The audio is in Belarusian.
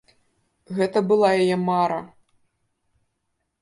Гэта была яе мара.